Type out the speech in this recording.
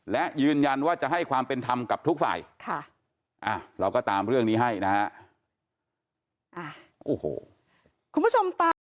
และยืนยันว่าจะให้ความเป็นธรรมกับทุกฝ่ายเราก็ตามเรื่องนี้ให้นะฮะ